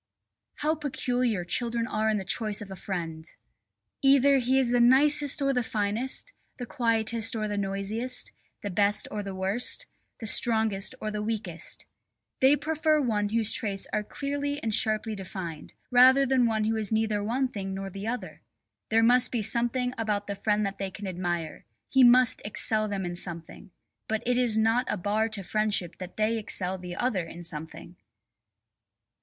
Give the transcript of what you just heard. How peculiar children are in their choice of a friend! Either he is the nicest or the finest, the quietest or the noisiest, the best or the worst, the strongest or the weakest. They prefer one whose traits are clearly and sharply defined, rather than one who is neither one thing nor the other. There must be something about the friend that they can admire; he must excel them in something. But it is not a bar to friendship that they excel the other in something.